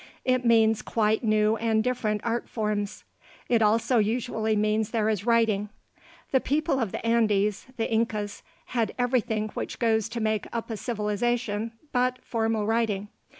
It means quite new and different art forms. It also usually means there is writing. (The people of the Andes the Incas had everything which goes to make up a civilization but formal writing.